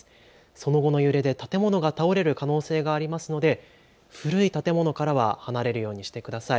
その後の揺れで建物が倒れる可能性がありますので古い建物からは離れるようにしてください。